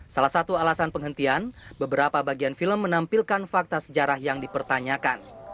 salah satu alasan penghentian beberapa bagian film menampilkan fakta sejarah yang dipertanyakan